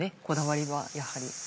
こだわりはやはり。